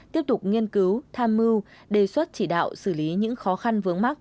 tiếp tục nghiên cứu tham mưu đề xuất chỉ đạo xử lý những khó khăn vướng mắt